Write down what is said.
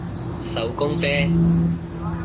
手工啤